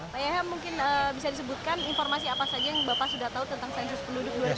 pak yahya mungkin bisa disebutkan informasi apa saja yang bapak sudah tahu tentang sensus penduduk dua ribu sembilan belas